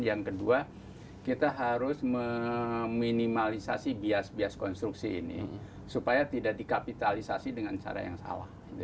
yang kedua kita harus meminimalisasi bias bias konstruksi ini supaya tidak dikapitalisasi dengan cara yang salah